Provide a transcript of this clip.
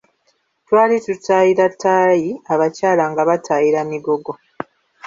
Twali tutaayira tie, Abakyala nga bataayira migogo.